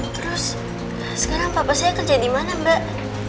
terus sekarang papa saya kerja di mana mbak